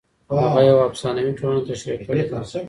هغه یوه افسانوي ټولنه تشریح کړې ده.